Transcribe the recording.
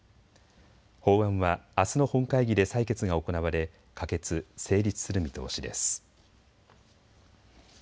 法案はあすの本会議で採決が行われ可決・成立する見通しです。